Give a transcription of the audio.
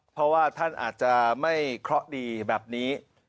เพราะว่าท่านอาจจะไม่เคราะห์ดีแบบนี้